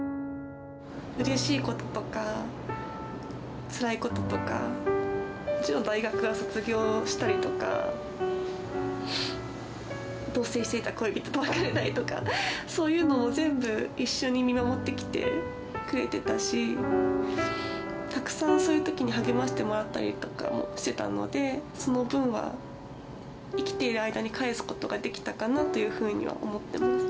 うれしいこととか、つらいこととか、もちろん大学は卒業したりとか、同せいしていた恋人と別れたりとか、そういうのも全部、一緒に見守ってきてくれてたし、たくさんそういうときに励ましてもらったりとかもしてたので、その分は、生きている間に返すことができたかなというふうには思ってます。